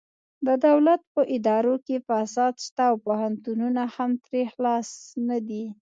د دولت په ادارو کې فساد شته او پوهنتونونه هم ترې خلاص نه دي